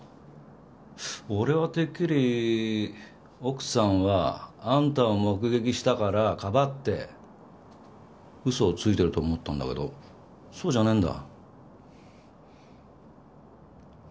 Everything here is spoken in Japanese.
俺はてっきり奥さんはあんたを目撃したからかばって嘘をついてると思ったんだけどそうじゃねえんだ？